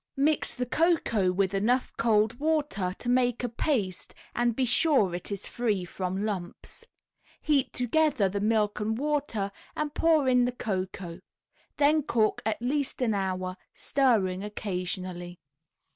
Mix the cocoa with enough cold water to make a paste, and be sure it is free from lumps. Heat together the milk and water, and pour in the cocoa; then cook at least an hour, stirring occasionally.